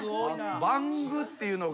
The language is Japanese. バングっていうのが？